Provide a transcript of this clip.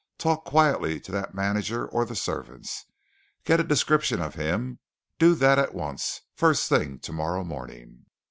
Talk quietly to that manager or the servants. Get a description of him. Do that at once first thing tomorrow morning."